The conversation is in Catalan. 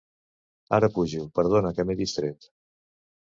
Ara pujo, perdona que m'he distret.